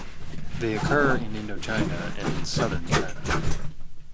They occur in Indochina and in southern China.